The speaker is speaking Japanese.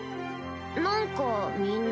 何かみんな